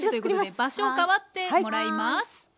場所を代わってもらいます。